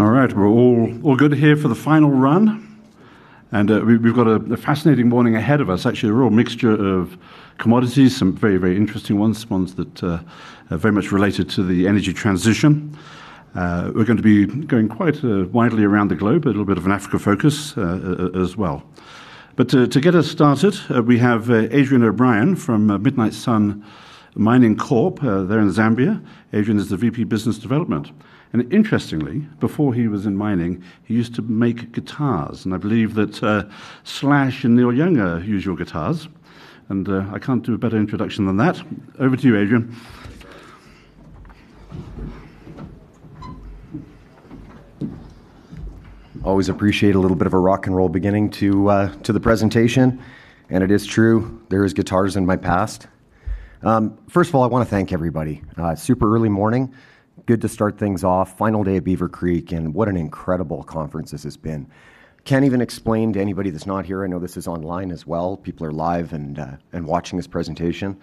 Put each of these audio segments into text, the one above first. All right, we're all good here for the final run. We've got a fascinating morning ahead of us, actually, a real mixture of commodities, some very, very interesting ones, ones that are very much related to the energy transition. We're going to be going quite widely around the globe, a little bit of an Africa focus as well. To get us started, we have Adrian O'Brien from Midnight Sun Mining Corp, they're in Zambia. Adrian is the VP of Business Development. Interestingly, before he was in mining, he used to make guitars. I believe that Slash and Neil Young use your guitars. I can't do a better introduction than that. Over to you, Adrian. Always appreciate a little bit of a rock and roll beginning to the presentation. It is true, there are guitars in my past. First of all, I want to thank everybody. Super early morning. Good to start things off. Final day at Beaver Creek, and what an incredible conference this has been. Can't even explain to anybody that's not here, I know this is online as well, people are live and watching this presentation.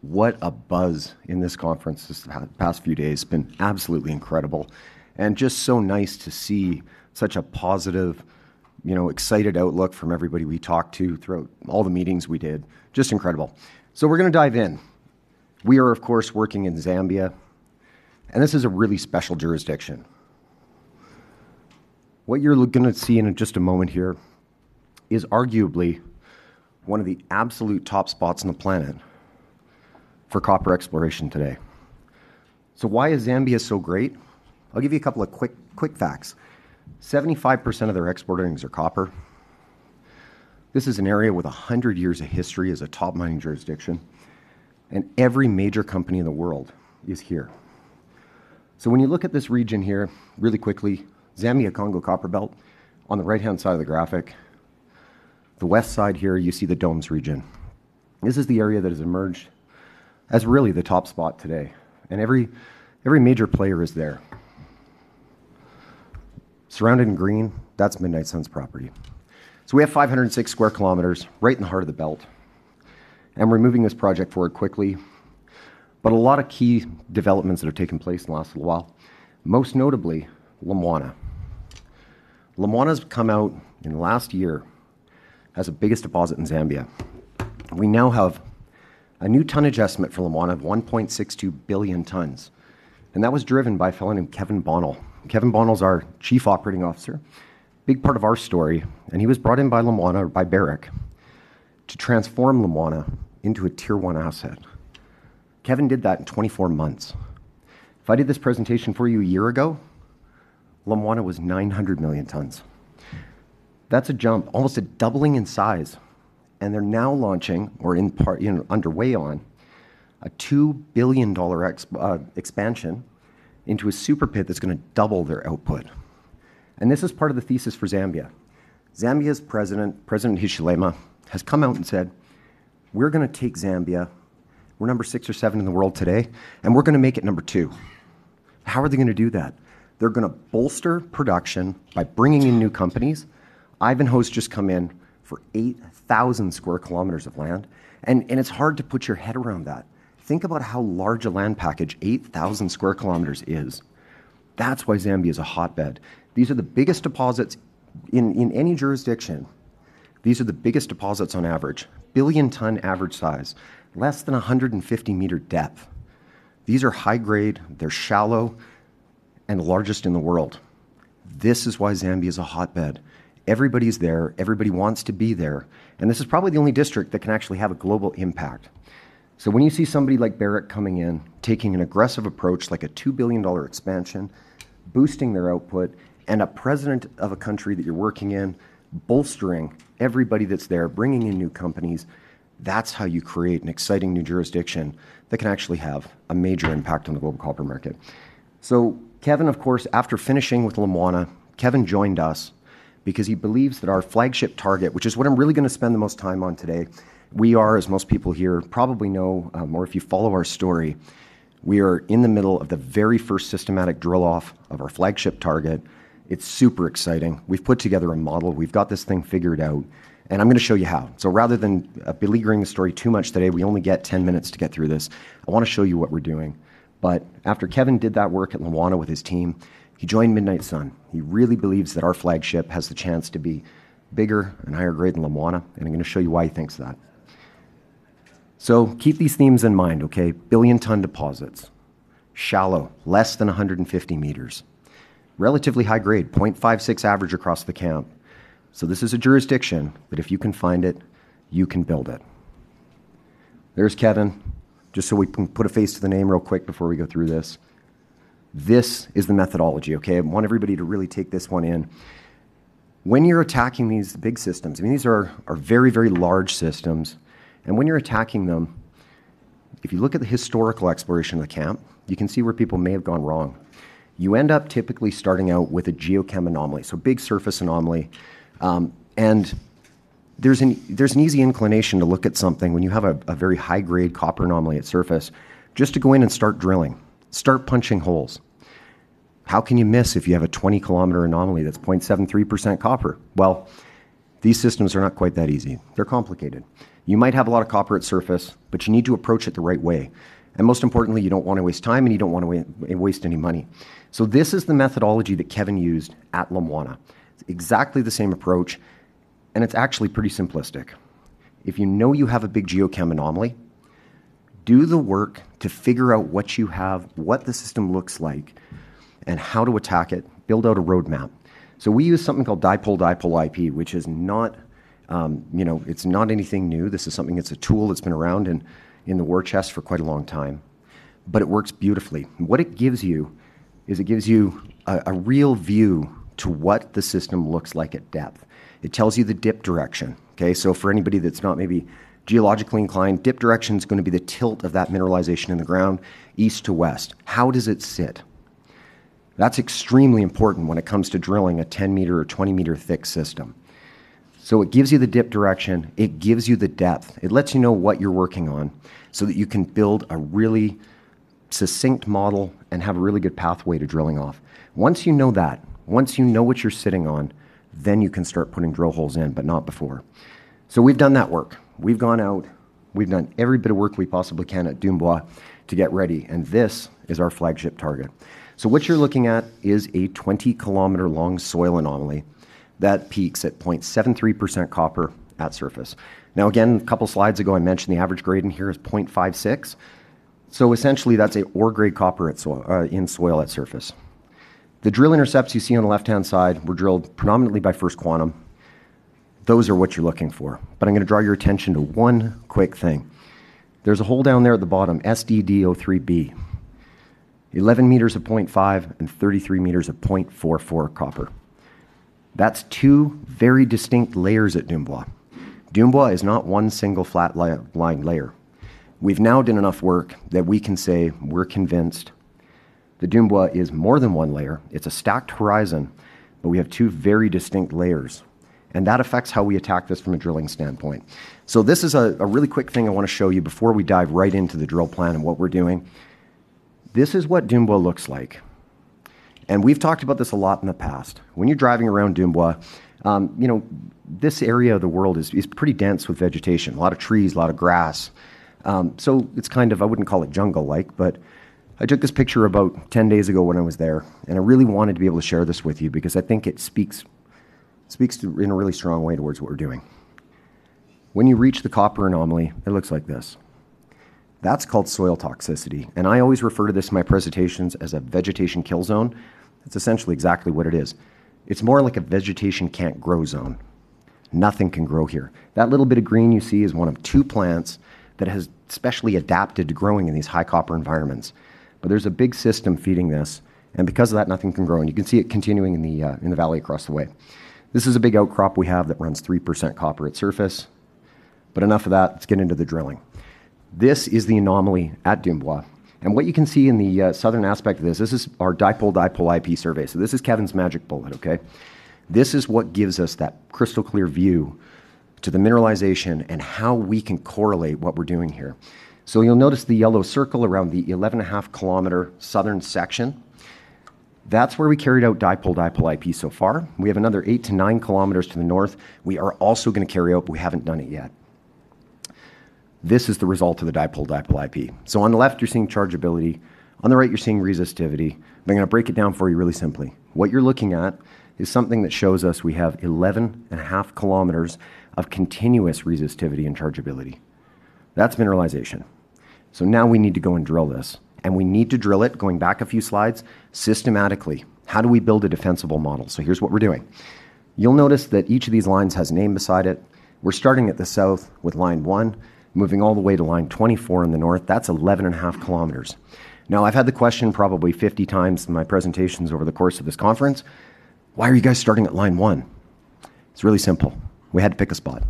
What a buzz in this conference these past few days, it's been absolutely incredible. Just so nice to see such a positive, excited outlook from everybody we talked to throughout all the meetings we did. Just incredible. We're going to dive in. We are, of course, working in Zambia. This is a really special jurisdiction. What you're going to see in just a moment here is arguably one of the absolute top spots on the planet for copper exploration today. Why is Zambia so great? I'll give you a couple of quick, quick facts. 75% of their export earnings are copper. This is an area with 100 years of history as a top mining jurisdiction. Every major company in the world is here. When you look at this region here, really quickly, Zambia, Congo Copperbelt, on the right-hand side of the graphic, the west side here, you see the domes region. This is the area that has emerged as really the top spot today. Every major player is there. Surrounded in green, that's Midnight Sun's property. We have 506 sq km right in the heart of the belt. We're moving this project forward quickly. A lot of key developments have taken place in the last little while, most notably Lumwana has come out in the last year as the biggest deposit in Zambia. We now have a new ton adjustment for Lumwana of 1.62 billion tons. That was driven by a fellow named Kevin Bonel. Kevin Bonel is our Chief Operating Officer, a big part of our story. He was brought in by Lumwana or by Barrick to transform Lumwana into a Tier 1 asset. Kevin did that in 24 months. If I did this presentation for you a year ago, Lumwana was 900 million tons. That's a jump, almost doubling in size. They're now launching, or in part, underway on a $2 billion expansion into a super pit that's going to double their output. This is part of the thesis for Zambia. Zambia's President, President Hichilema, has come out and said, we're going to take Zambia, we're number six or seven in the world today, and we're going to make it number two. How are they going to do that? They're going to bolster production by bringing in new companies. Ivanhoe just came in for 8,000 sq km of land. It's hard to put your head around that. Think about how large a land package 8,000 sq km is. That's why Zambia is a hotbed. These are the biggest deposits in any jurisdiction. These are the biggest deposits on average, billion-ton average size, less than 150-meter depth. These are high-grade, they're shallow, and the largest in the world. This is why Zambia is a hotbed. Everybody's there, everybody wants to be there. This is probably the only district that can actually have a global impact. When you see somebody like Barrick coming in, taking an aggressive approach, like a $2 billion expansion, boosting their output, and a president of a country that you're working in, bolstering everybody that's there, bringing in new companies, that's how you create an exciting new jurisdiction that can actually have a major impact on the global copper market. Kevin, of course, after finishing with Lumwana, Kevin joined us because he believes that our flagship target, which is what I'm really going to spend the most time on today, we are, as most people here probably know, or if you follow our story, we are in the middle of the very first systematic drill-out of our flagship target. It's super exciting. We've put together a model, we've got this thing figured out. I'm going to show you how. Rather than beleaguering the story too much today, we only get 10 minutes to get through this, I want to show you what we're doing. After Kevin did that work at Lumwana with his team, he joined Midnight Sun. He really believes that our flagship has the chance to be bigger and higher grade than Lumwana. I'm going to show you why he thinks that. Keep these themes in mind, okay? Billion-ton deposits, shallow, less than 150 meters, relatively high grade, 0.56% average across the camp. This is a jurisdiction, but if you can find it, you can build it. There's Kevin, just so we can put a face to the name real quick before we go through this. This is the methodology, okay? I want everybody to really take this one in. When you're attacking these big systems, I mean, these are very, very large systems. When you're attacking them, if you look at the historical exploration of the camp, you can see where people may have gone wrong. You end up typically starting out with a geochem anomaly, so a big surface anomaly. There is an easy inclination to look at something when you have a very high-grade copper anomaly at surface, just to go in and start drilling, start punching holes. How can you miss if you have a 20-kilometer anomaly that's 0.73% copper? These systems are not quite that easy. They're complicated. You might have a lot of copper at surface, but you need to approach it the right way. Most importantly, you don't want to waste time, and you don't want to waste any money. This is the methodology that Kevin used at Lumwana. It's exactly the same approach. It's actually pretty simplistic. If you know you have a big geochem anomaly, do the work to figure out what you have, what the system looks like, and how to attack it, build out a roadmap. We use something called dipole-dipole IP surveys, which is not anything new. This is something that's a tool that's been around in the war chest for quite a long time, but it works beautifully. What it gives you is it gives you a real view to what the system looks like at depth. It tells you the dip direction. For anybody that's not maybe geologically inclined, dip direction is going to be the tilt of that mineralization in the ground, east to west. How does it sit? That's extremely important when it comes to drilling a 10-meter or 20-meter thick system. It gives you the dip direction. It gives you the depth. It lets you know what you're working on so that you can build a really succinct model and have a really good pathway to drilling off. Once you know that, once you know what you're sitting on, then you can start putting drill holes in, but not before. We've done that work. We've gone out. We've done every bit of work we possibly can at Dumbwa to get ready. This is our flagship target. What you're looking at is a 20-kilometer long soil anomaly that peaks at 0.73% copper at surface. A couple of slides ago, I mentioned the average gradient here is 0.56%. Essentially, that's an ore-grade copper in soil at surface. The drill intercepts you see on the left-hand side were drilled predominantly by First Quantum. Those are what you're looking for. I'm going to draw your attention to one quick thing. There's a hole down there at the bottom, SDD03B, 11 meters at 0.5 and 33 meters at 0.44% copper. That's two very distinct layers at Dumbwa. Dumbwa is not one single flat-lying layer. We've now done enough work that we can say we're convinced that Dumbwa is more than one layer. It's a stacked horizon, but we have two very distinct layers. That affects how we attack this from a drilling standpoint. This is a really quick thing I want to show you before we dive right into the drill plan and what we're doing. This is what Dumbwa looks like. We've talked about this a lot in the past. When you're driving around Dumbwa, you know, this area of the world is pretty dense with vegetation, a lot of trees, a lot of grass. It's kind of, I wouldn't call it jungle-like, but I took this picture about 10 days ago when I was there. I really wanted to be able to share this with you because I think it speaks in a really strong way towards what we're doing. When you reach the copper anomaly, it looks like this. That's called soil toxicity. I always refer to this in my presentations as a vegetation kill zone. It's essentially exactly what it is. It's more like a vegetation can't grow zone. Nothing can grow here. That little bit of green you see is one of two plants that has specially adapted to growing in these high copper environments. There's a big system feeding this. Because of that, nothing can grow. You can see it continuing in the valley across the way. This is a big outcrop we have that runs 3% copper at surface. Enough of that. Let's get into the drilling. This is the anomaly at Dumbwa. What you can see in the southern aspect of this, this is our dipole-dipole IP survey. This is Kevin's magic bullet, okay? This is what gives us that crystal clear view to the mineralization and how we can correlate what we're doing here. You'll notice the yellow circle around the 11.5 km southern section. That's where we carried out dipole-dipole IP so far. We have another 8 km-9 km to the north we are also going to carry out, but we haven't done it yet. This is the result of the dipole-dipole IP. On the left, you're seeing chargeability. On the right, you're seeing resistivity. I'm going to break it down for you really simply. What you're looking at is something that shows us we have 11.5 km of continuous resistivity and chargeability. That's mineralization. Now we need to go and drill this. We need to drill it, going back a few slides, systematically. How do we build a defensible model? Here's what we're doing. You'll notice that each of these lines has a name beside it. We're starting at the south with line one, moving all the way to line 24 in the north. That's 11.5 km. I've had the question probably 50x in my presentations over the course of this conference. Why are you guys starting at line one? It's really simple. We had to pick a spot.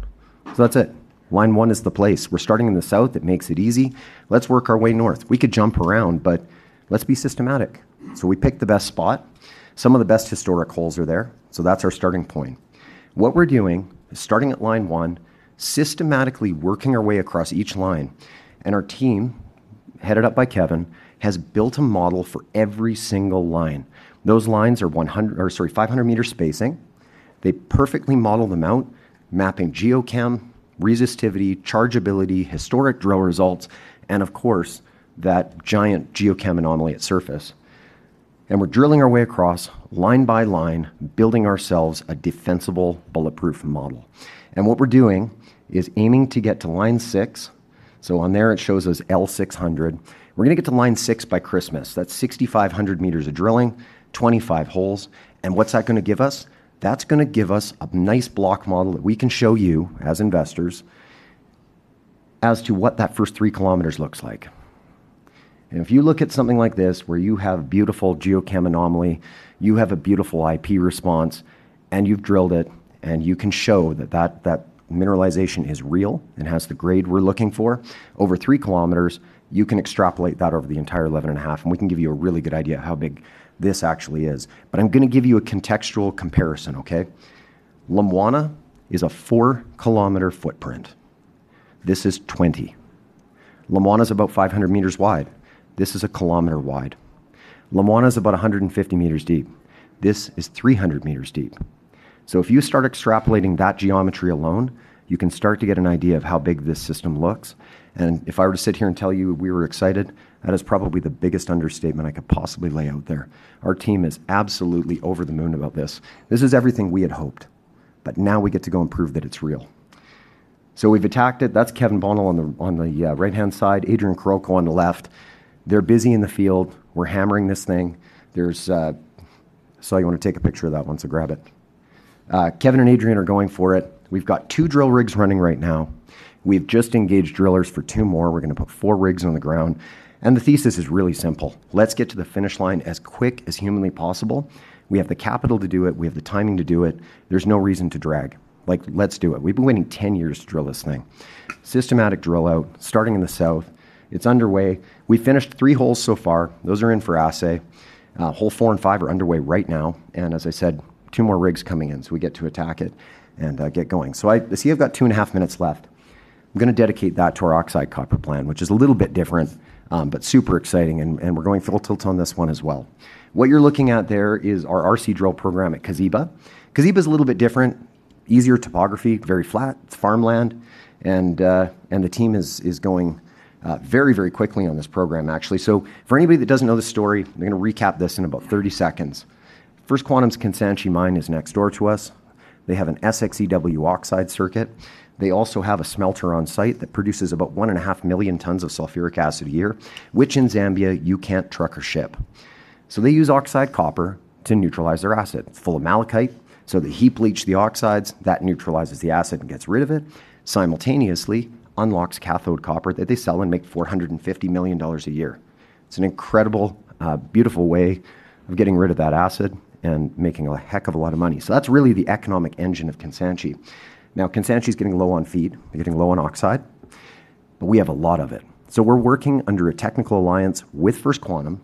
That's it. Line one is the place. We're starting in the south. It makes it easy. Let's work our way north. We could jump around, but let's be systematic. We picked the best spot. Some of the best historic holes are there. That's our starting point. What we're doing is starting at line one, systematically working our way across each line. Our team, headed up by Kevin, has built a model for every single line. Those lines are 500-meter spacing. They perfectly model them out, mapping geochem, resistivity, chargeability, historic drill results, and of course, that giant geochem anomaly at surface. We're drilling our way across, line by line, building ourselves a defensible, bulletproof model. What we're doing is aiming to get to line six. On there, it shows us L600. We're going to get to line six by Christmas. That's 6,500 m of drilling, 25 holes. What's that going to give us? That's going to give us a nice block model that we can show you as investors as to what that first three kilometers looks like. If you look at something like this, where you have a beautiful geochem anomaly, you have a beautiful IP response, and you've drilled it, and you can show that that mineralization is real and has the grade we're looking for over three kilometers, you can extrapolate that over the entire 11.5 km. We can give you a really good idea of how big this actually is. I'm going to give you a contextual comparison, okay? Lumwana is a four-kilometer footprint. This is 20. Lumwana is about 500 m wide. This is a kilometer wide. Lumwana is about 150 m deep. This is 300 m deep. If you start extrapolating that geometry alone, you can start to get an idea of how big this system looks. If I were to sit here and tell you we were excited, that is probably the biggest understatement I could possibly lay out there. Our team is absolutely over the moon about this. This is everything we had hoped. Now we get to go and prove that it's real. We've attacked it. That's Kevin Bonel on the right-hand side, Adrian Karolko on the left. They're busy in the field. We're hammering this thing. I want to take a picture of that one, so grab it. Kevin and Adrian are going for it. We've got two drill rigs running right now. We've just engaged drillers for two more. We're going to put four rigs on the ground. The thesis is really simple. Let's get to the finish line as quick as humanly possible. We have the capital to do it. We have the timing to do it. There's no reason to drag. Let's do it. We've been waiting 10 years to drill this thing. Systematic drill-out, starting in the south. It's underway. We finished three holes so far. Those are in for assay. Hole four and five are underway right now. Two more rigs are coming in, so we get to attack it and get going. I see I've got two and a half minutes left. I'm going to dedicate that to our oxide copper plan, which is a little bit different, but super exciting. We're going full tilt on this one as well. What you're looking at there is our RC drill program at Kazhiba. Kazhiba is a little bit different, easier topography, very flat. It's farmland. The team is going very, very quickly on this program, actually. For anybody that doesn't know the story, I'm going to recap this in about 30 seconds. First Quantum's Kansanshi mine is next door to us. They have an SX-EW oxide circuit. They also have a smelter on site that produces about 1.5 million tons of sulfuric acid a year, which in Zambia, you can't truck or ship. They use oxide copper to neutralize their acid, full of malachite. They heap leach the oxides, that neutralizes the acid and gets rid of it. Simultaneously, it unlocks cathode copper that they sell and make $450 million a year. It's an incredible, beautiful way of getting rid of that acid and making a heck of a lot of money. That's really the economic engine of Kansanshi. Kansanshi is getting low on feed. They're getting low on oxide. We have a lot of it. We're working under a technical alliance with First Quantum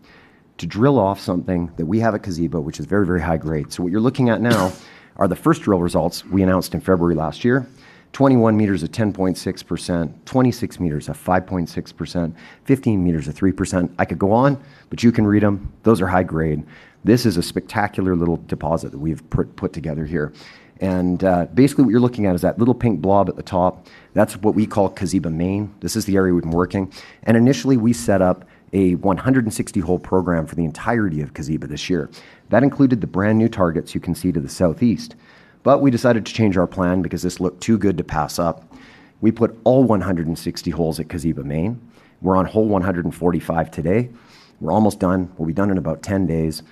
to drill off something that we have at Kazhiba, which is very, very high grade. What you're looking at now are the first drill results we announced in February last year: 21 m at 10.6%, 26 m at 5.6%, 15 m at 3%. I could go on, but you can read them. Those are high grade. This is a spectacular little deposit that we've put together here. Basically, what you're looking at is that little pink blob at the top. That's what we call Kazhiba-Main. This is the area we've been working. Initially, we set up a 160-hole program for the entirety of Kazhiba this year. That included the brand new targets you can see to the southeast. We decided to change our plan because this looked too good to pass up. We put all 160 holes at Kazhiba-Main. We're on hole 145 today. We're almost done. We'll be done in about 10 days.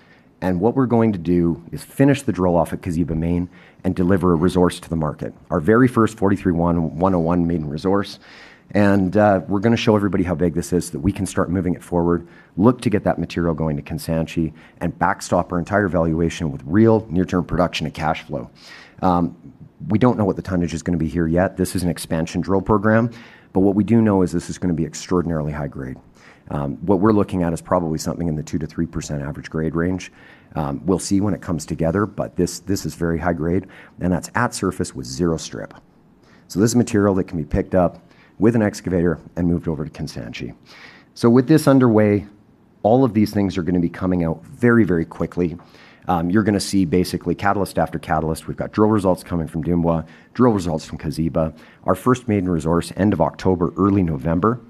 What we're going to do is finish the drill off at Kazhiba-Main and deliver a resource to the market, our very first NI 43-101 maiden resource. We're going to show everybody how big this is so that we can start moving it forward, look to get that material going to Kansanshi, and backstop our entire valuation with real near-term production and cash flow. We don't know what the tonnage is going to be here yet. This is an expansion drill program. What we do know is this is going to be extraordinarily high grade. What we're looking at is probably something in the 2%-3% average grade range. We'll see when it comes together, but this is very high grade. That's at surface with zero strip. This is material that can be picked up with an excavator and moved over to Kansanshi. With this underway, all of these things are going to be coming out very, very quickly. You're going to see basically catalyst after catalyst. We've got drill results coming from Dumbwa, drill results from Kazhiba, our first maiden resource end of October, early November,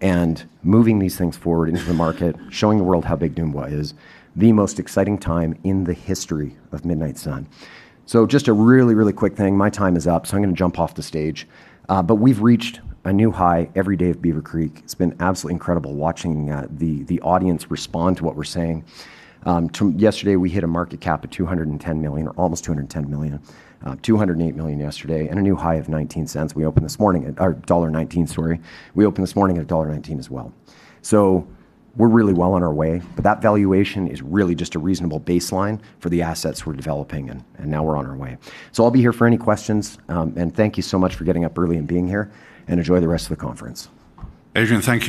and moving these things forward into the market, showing the world how big Dumbwa is, the most exciting time in the history of Midnight Sun. Just a really, really quick thing. My time is up, so I'm going to jump off the stage. We've reached a new high every day of Beaver Creek. It's been absolutely incredible watching the audience respond to what we're saying. Yesterday, we hit a market cap of $210 million, almost $210 million, $208 million yesterday, and a new high of $0.19. We opened this morning at our $1.19 story. We opened this morning at $1.19 as well. We're really well on our way. That valuation is really just a reasonable baseline for the assets we're developing. Now we're on our way. I'll be here for any questions. Thank you so much for getting up early and being here. Enjoy the rest of the conference. Adrian, thank you.